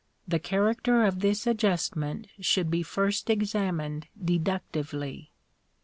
The character of this adjustment should be first examined deductively.